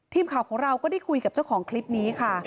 ทีมข่าวของเราก็ได้คุยกับเจ้าของคลิปนี้ค่ะ